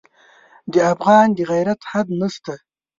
د افغان د غیرت حد نه شته.